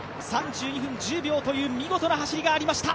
３２分１０秒という見事な走りがありました。